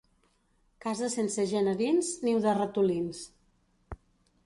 Casa sense gent a dins, niu de ratolins.